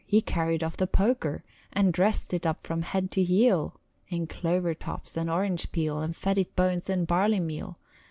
He carried off the poker And dressed it up from head to heel In clover tops and orange peel And fed it bones and barley meal.